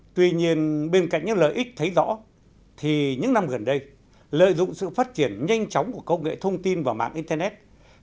tuy nhiên bên cạnh những lợi ích thấy rõ thì những năm gần đây lợi dụng sự phát triển nhanh chóng của công nghệ thông tin và mạng internet